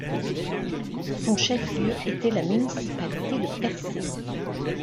Son chef-lieu était la municipalité de Percé.